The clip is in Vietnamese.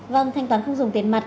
vâng thanh toán không dùng tiền mặt